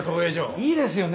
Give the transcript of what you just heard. いいですよね。